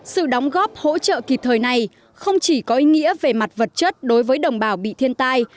sự đóng góp hỗ trợ kịp thời này không chỉ có ý nghĩa về mặt vật chất đối với đồng bào bị thiên tai